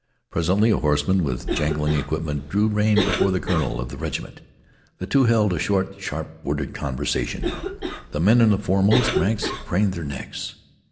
Presently a horseman with jangling equipment drew rein before the colonel of the regiment. The two held a short, sharp worded conversation. The men in the foremost ranks craned their necks.